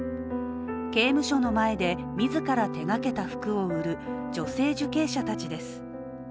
刑務所の前で自ら手がけた服を売る女性受刑者たちです。